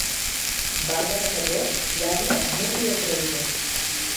Barba de cabró, lladre, murri o traïdor.